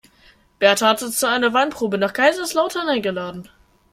Berta hat uns zu einer Weinprobe nach Kaiserslautern eingeladen.